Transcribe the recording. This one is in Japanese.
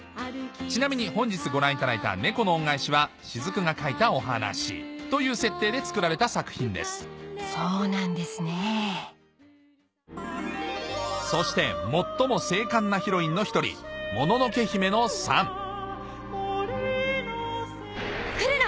ちなみに本日ご覧いただいた『猫の恩返し』は雫が書いたお話という設定で作られた作品ですそうなんですねぇそして最も精悍なヒロインの一人来るな！